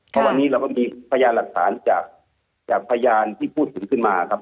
เพราะวันนี้เราก็มีพยานหลักฐานจากพยานที่พูดถึงขึ้นมาครับ